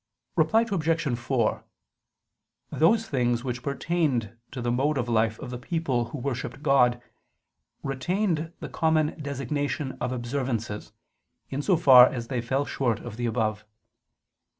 Reply Obj. 4: Those things which pertained to the mode of life of the people who worshipped God, retained the common designation of observances, in so far as they fell short of the above.